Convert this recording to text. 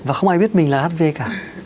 và không ai biết mình là hiv cả